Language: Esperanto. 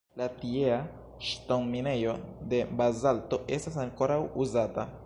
La tiea ŝtonminejo de bazalto estas ankoraŭ uzata.